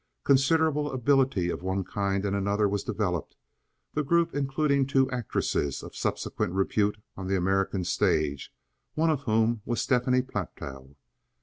Considerable ability of one kind and another was developed, the group including two actresses of subsequent repute on the American stage, one of whom was Stephanie Platow.